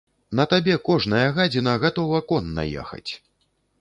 На табе кожная гадзіна гатова конна ехаць.